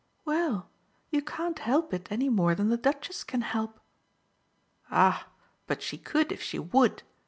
"Well, you can't help it any more than the Duchess can help !" "Ah but she could if she would!"